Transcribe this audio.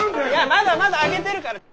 まだまだ揚げてるから！